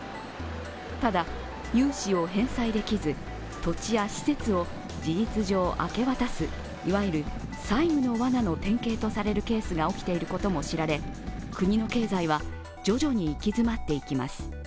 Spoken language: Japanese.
ただ、融資を返済できず、土地や施設を事実上明け渡すいわゆる債務のわなの典型とされるケースが起きていることも知られ国の経済は徐々に行き詰まっていきます。